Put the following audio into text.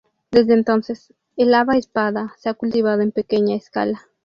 Desde entonces, el "haba espada" se ha cultivado en pequeña escala.